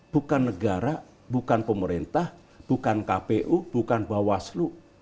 bukan negara bukan pemerintah bukan kpu bukan bawaslu